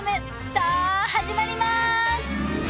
さあ始まります！